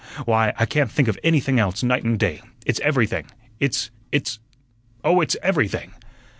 Why, I can't think of anything else night and day. It's everything. It's it's oh, it's everything!